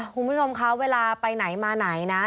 คุณผู้ชมคะเวลาไปไหนมาไหนนะ